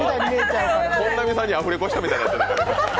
本並さんにアフレコしたみたいになってる。